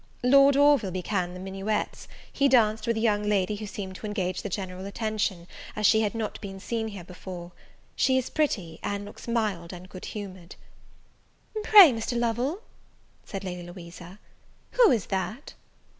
Lord Orville began the minuets: he danced with a young lady who seemed to engage the general attention, as she had not been seen here before. She is pretty, and looks mild and good humoured. "Pray, Mr. Lovel," said Lady Louisa, "who is that?"